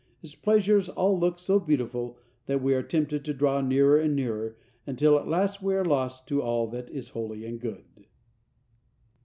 Its pleasures all look so beautiful that we are tempted to draw nearer and nearer, until at last we are lost to all that is holy and good.